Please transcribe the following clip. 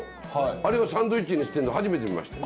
あれをサンドイッチにしてんの初めて見ましたよ。